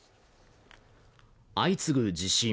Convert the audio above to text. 相次ぐ地震